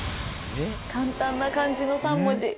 簡単な漢字の３文字。